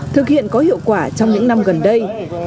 thực hiện có hiệu quả trong những năm gần đây